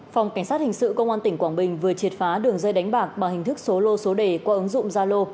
phòng cảnh sát hình sự công an tỉnh quảng bình vừa triệt phá đường dây đánh bạc bằng hình thức số lô số đề qua ứng dụng gia lô